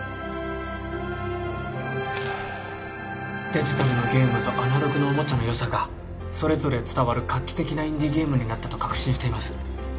デジタルのゲームとアナログのおもちゃのよさがそれぞれ伝わる画期的なインディーゲームになったと確信しています